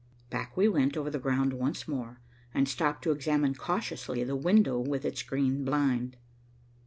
Back we went over the ground once more, and stopped to examine cautiously the window with its green blind.